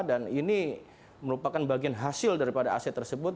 dan ini merupakan bagian hasil dari aset tersebut